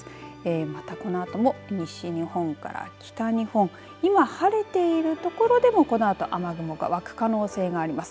またこのあとも西日本から北日本今晴れている所でもこのあと雨雲が湧く可能性があります。